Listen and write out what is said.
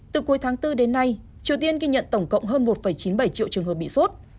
từ cuối tháng bốn đến nay triều tiên ghi nhận tổng cộng hơn một chín mươi bảy triệu trường hợp bị sốt